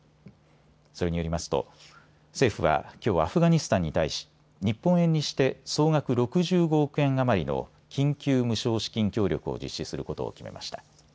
それによりますと政府はきょうアフガニスタンに対し日本円にして総額６５億円余りの緊急無償資金協力を実施することを決めました。